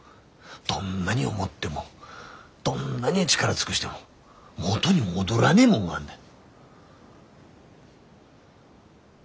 どんなに思ってもどんなに力尽くしても元に戻らねえもんがあんだよ。